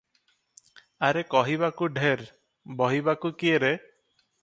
ଆରେ କହିବାକୁ ଢେର, ବହିବାକୁ କିଏ ରେ?